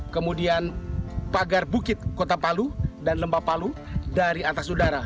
kemudian pagar bukit kota palu dan lembah palu dari atas udara